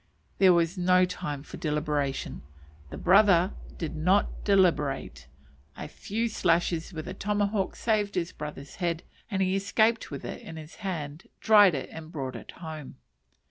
There was no time for deliberation. The brother did not deliberate; a few slashes with the tomahawk saved his brother's head, and he escaped with it in his hand, dried it, and brought it home.